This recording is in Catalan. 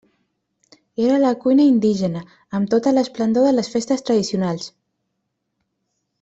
Era la cuina indígena, amb tota l'esplendor de les festes tradicionals.